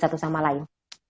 satu sama lain